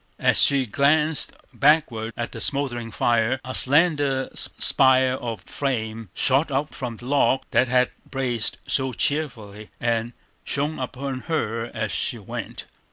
As she glanced backward at the smouldering fire, a slender spire of flame shot up from the log that had blazed so cheerily, and shone upon her as she went.